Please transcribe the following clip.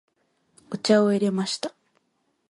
お茶を入れました。